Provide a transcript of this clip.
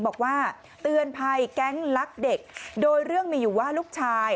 บอกว่าเตือนภัยแก๊งลักเด็กโดยเรื่องมีอยู่ว่าลูกชาย